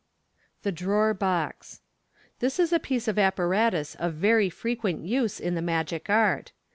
The Drawer Box. — This is a piece of apparatus ot very frequent use in the magic art.